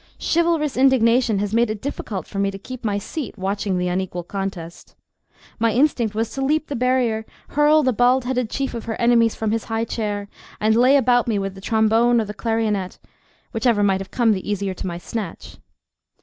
Chivalrous indignation has made it difficult for me to keep my seat watching the unequal contest. My instinct was to leap the barrier, hurl the bald headed chief of her enemies from his high chair, and lay about me with the trombone or the clarionet—whichever might have come the easier to my snatch.